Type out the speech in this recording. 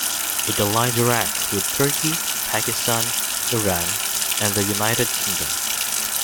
It aligned Iraq with Turkey, Pakistan, Iran and the United Kingdom.